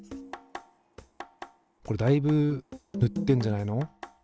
これだいぶ塗ってんじゃないの？